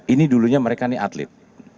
ini dulunya mereka ini atlet